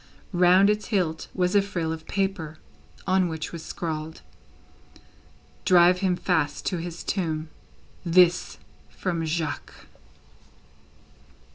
Round its hilt was a frill of paper, on which was scrawled: "Drive him fast to his tomb. This, from Jacques."